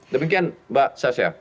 demikian mbak sasyah